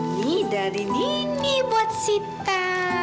ini dari mini buat sita